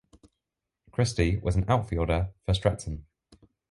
Christy was an outfielder for Stetson.